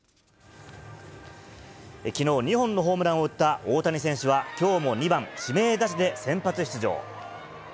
きのう、２本のホームランを打った大谷選手は、きょうも２番指名打者で先発出場。